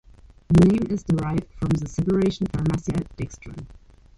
The name is derived from separation Pharmacia dextran.